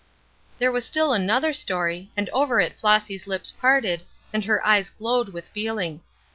There was still another story, and over it Flossy's lips parted, and her eyes glowed with feeling.